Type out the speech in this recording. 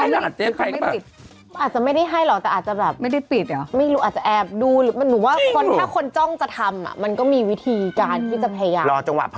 ล่าสุดไปมาร์มมาร์มจรรยะบ๋นจริงรามีน์แล้วอร่อยอร่อยอร่อย